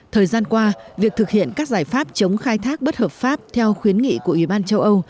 thời gian qua việc thực hiện các giải pháp chống khai thác bất hợp pháp theo khuyến nghị của ủy ban châu âu